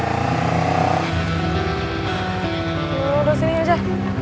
lo udah sini aja